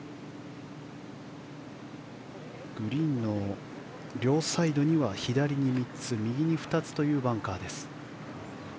グリーンの両サイドには左に３つ右に２つというバンカーです。